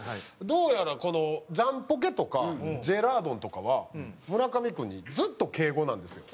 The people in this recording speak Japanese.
どうやらジャンポケとかジェラードンとかは村上君にずっと敬語なんですよ。